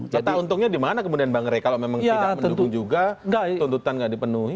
mata untungnya di mana kemudian bang ray kalau memang tidak mendukung juga tuntutan tidak dipenuhi